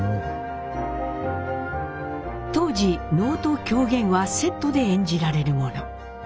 当時能と狂言はセットで演じられるもの。